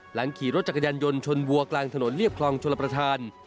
หลังขี่รถจักรยานยนต์ชนวัวกลางถนนเรียบคลองชลประธาน